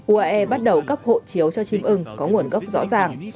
uae bắt đầu cấp hộ chiếu cho chim ưng có nguồn gốc rõ ràng